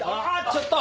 ちょっと！